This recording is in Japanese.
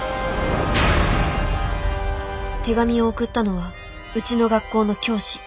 手紙を送ったのはうちの学校の教師。